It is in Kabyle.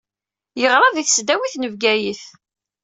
Yeɣṛa di tesdawit n Bgayet.